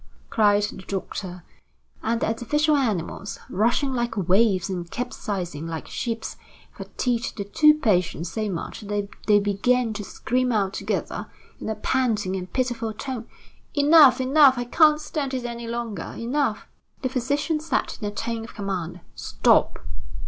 cried the doctor. And the artificial animals, rushing like waves and capsizing like ships, fatigued the two patients so much that they began to scream out together in a panting and pitiful tone: "Enough! enough! I can't stand it any longer! Enough!" The physician said in a tone of command: "Stop!"